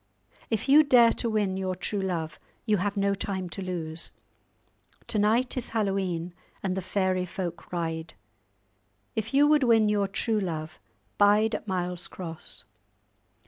If you dare to win your true love, you have no time to lose. To night is Hallowe'en, and the fairy folk ride. If you would win your true love, bide at Miles Cross."